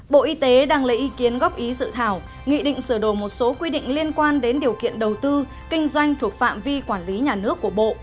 bộ y tế đang lấy ý kiến góp ý dự thảo nghị định sửa đổi một số quy định liên quan đến điều kiện đầu tư kinh doanh thuộc phạm vi quản lý nhà nước của bộ